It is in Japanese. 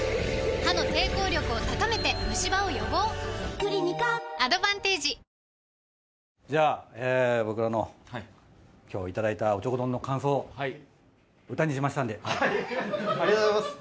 クリニカアドバンテージじゃあ僕らが今日いただいたおちょこ丼の感想を歌にしましたんで聴いてください。